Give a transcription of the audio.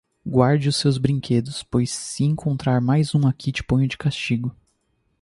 Guarde os seus brinquedos, pois se encontrar mais um aqui te ponho de castigo.